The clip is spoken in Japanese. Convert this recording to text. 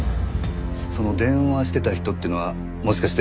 その電話してた人っていうのはもしかして。